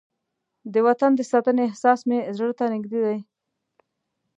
د وطن د ساتنې احساس مې زړه ته نږدې دی.